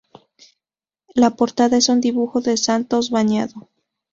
La portada es un dibujo de Santos Bañado.